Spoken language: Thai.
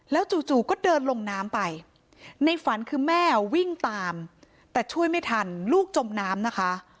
จู่ก็เดินลงน้ำไปในฝันคือแม่วิ่งตามแต่ช่วยไม่ทันลูกจมน้ำนะคะ